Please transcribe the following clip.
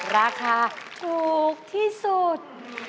ราคาถูกที่สุด